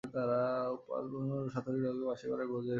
পাণ্ডবসখা সারথি রথে, বাঁশী বাজায় ব্রজের ঘাটে পথে।